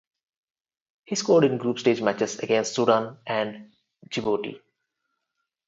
He scored in Group Stage matches against Sudan and Djibouti.